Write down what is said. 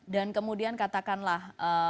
dan kemudian katakanlah